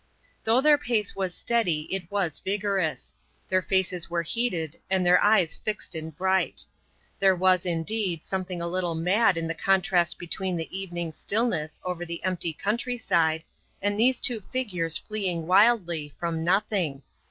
Though their pace was steady it was vigorous; their faces were heated and their eyes fixed and bright. There was, indeed, something a little mad in the contrast between the evening's stillness over the empty country side, and these two figures fleeing wildly from nothing.